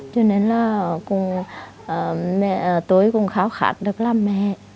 cho nên là tôi cũng kháo khát được làm mẹ